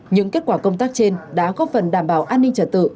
những kết quả công tác trên đã có phần đảm bảo an ninh trả tự